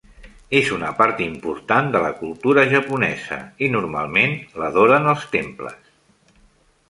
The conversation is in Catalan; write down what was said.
És una part important de la cultura japonesa i normalment l'adoren als temples.